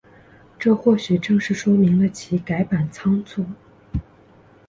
这或许正是说明了其改版仓促。